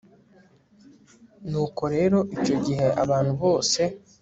nuko rero icyo gihe abantu bose